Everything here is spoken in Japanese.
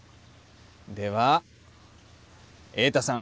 では永太さん！